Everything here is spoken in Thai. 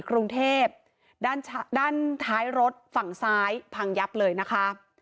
กรุงเทพด้านท้ายรถฝั่งซ้ายพังยับเลยนะคะ